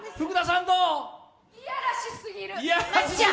いやらしすぎる！